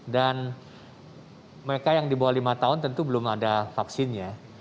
dan mereka yang di bawah lima tahun tentu belum ada vaksinnya